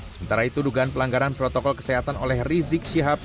sementara itu dugaan pelanggaran protokol kesehatan oleh rizik syihab